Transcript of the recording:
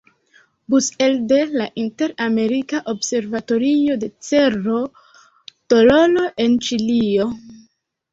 Bus elde la Inter-Amerika observatorio de Cerro Tololo en Ĉilio.